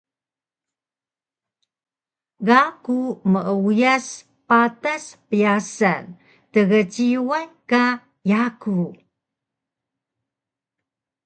Ga ku meuyas patas pyasan tgciway ka yaku